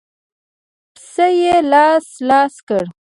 پسه يې لاس لاس کړ.